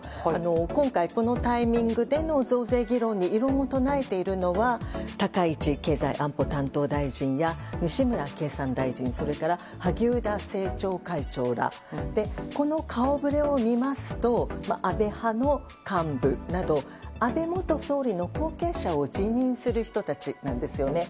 今回、このタイミングでの増税議論に異論を唱えているのは高市経済安保担当大臣や西村経産大臣それから萩生田政調会長らでこの顔ぶれを見ますと安倍派の幹部など安倍元総理の後継者を自認する人たちなんですね。